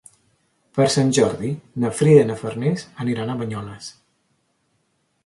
Per Sant Jordi na Frida i na Farners aniran a Banyoles.